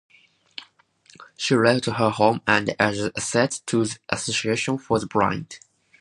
She left her home and other assets to the Association for the Blind.